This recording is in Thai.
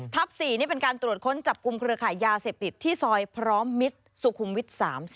๔นี่เป็นการตรวจค้นจับกลุ่มเครือขายยาเสพติดที่ซอยพร้อมมิตรสุขุมวิทย์๓๐